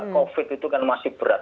covid itu kan masih berat